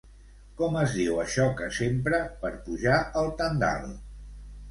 Com es diu això que s'empra per pujar el tendal?